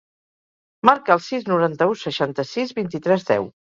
Marca el sis, noranta-u, seixanta-sis, vint-i-tres, deu.